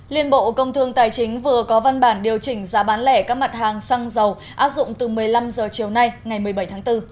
liên bộ công thương tài chính vừa có văn bản điều chỉnh giá bán lẻ các mặt hàng xăng dầu áp dụng từ một mươi năm h chiều nay ngày một mươi bảy tháng bốn